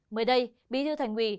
mới đây bí thư thành nguy